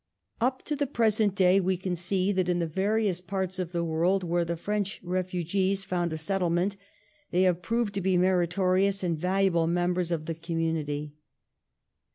Up to the present day, we can see that in the various parts of the world where the French refugees sought a settlement they have proved to be meritorious and valuable members of the com munity.